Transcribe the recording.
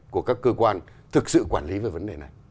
của các cơ quan thực sự quản lý về vấn đề này